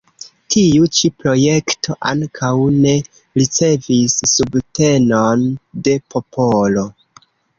Tiu ĉi projekto ankaŭ ne ricevis subtenon de popolo.